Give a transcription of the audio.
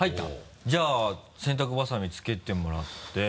じゃあ洗濯ばさみつけてもらって。